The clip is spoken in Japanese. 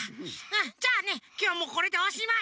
じゃあねきょうはもうこれでおしまい。